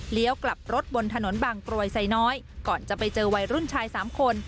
กลับรถบนถนนบางกรวยไซน้อยก่อนจะไปเจอวัยรุ่นชายสามคน